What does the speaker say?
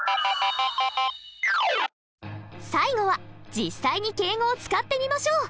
最後は実際に敬語を使ってみましょう。